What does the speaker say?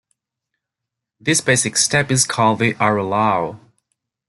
This basic step is called the arrollao.